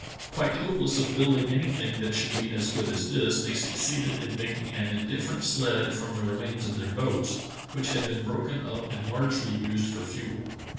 Quite hopeless of building anything that should be as good as this, they succeeded in making an indifferent sled from the remains of their boats, which had been broken up and largely used for fuel.